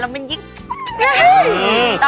สรุปแล้วเดือนสิงหาคม